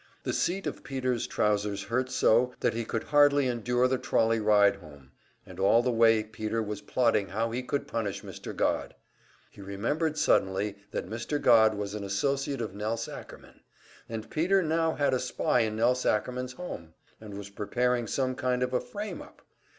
The seat of Peter's trousers hurt so that he could hardly endure the trolley ride home, and all the way Peter was plotting how he could punish Mr. Godd. He remembered suddenly that Mr. Godd was an associate of Nelse Ackerman; and Peter now had a spy in Nelse Ackerman's home, and was preparing some kind of a "frame up!"